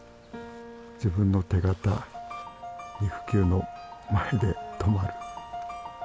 自分の手形肉球の前で止まる。